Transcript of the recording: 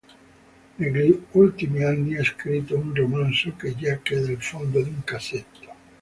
Negli ultimi anni ha scritto un romanzo, che giace nel fondo di un cassetto.